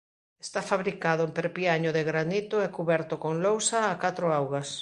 Está fabricado en perpiaño de granito e cuberto con lousa a catro augas.